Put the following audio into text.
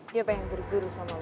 dia pengen bergeru sama lo bang